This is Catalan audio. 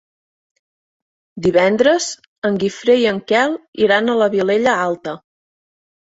Divendres en Guifré i en Quel iran a la Vilella Alta.